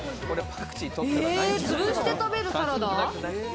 つぶして食べるサラダ。